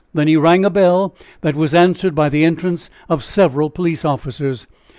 Then he rang a bell, that was answered by the entrance of several police officers.